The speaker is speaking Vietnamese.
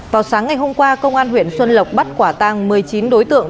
vào sáng ngày hôm qua công an huyện xuân lộc bắt quả tăng một mươi chín đối tượng